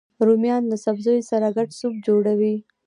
رومیان له سبزیو سره ګډ سوپ جوړوي